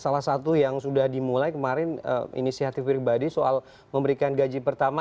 salah satu yang sudah dimulai kemarin inisiatif pribadi soal memberikan gaji pertama